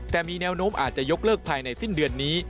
แต่มีแนวโน้มอาจจะยกเลิกภายในสิ้นเดือนนี้